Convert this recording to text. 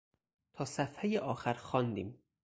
تا صفحهٔ آخر خواندیم.